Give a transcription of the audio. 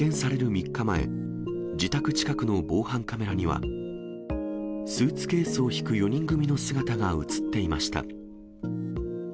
３日前、自宅近くの防犯カメラには、スーツケースを引く４人組の姿が写っていました。